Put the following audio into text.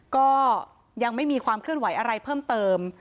ก็ยังไม่มีความเคลื่อนไหวอะไรเพิ่มเติม